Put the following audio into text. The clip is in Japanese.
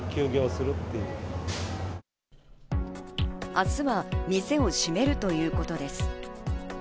明日は店を閉めるということです。